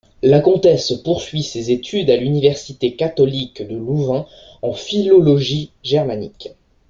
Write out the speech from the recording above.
La comtesse poursuit ses études à l'Université catholique de Louvain en philologie germanique.